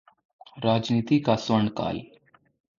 राजनीति का स्वर्णकाल